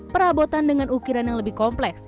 perabotan dengan ukiran yang lebih kompleks